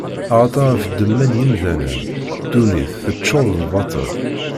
Axaṭer ɣef ddemma n yemdanen, ddunit teččuṛ d lbaṭel.